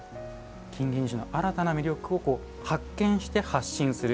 金銀糸の新たな魅力を発見して、発信する。